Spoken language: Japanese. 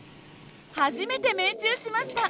初めて命中しました。